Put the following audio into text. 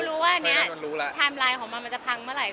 เรารู้ว่านี้ไทม์ไลน์ของมันจะพังเมื่อไหร่